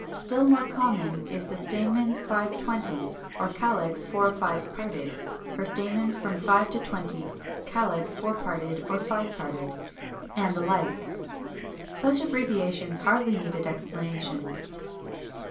Still more common is the form "Stamens 5 20," or "Calyx 4 5 parted," for stamens from five to twenty, calyx four parted or five parted, and the like. Such abbreviations hardly need explanation.